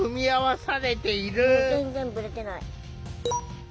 全然ぶれてない。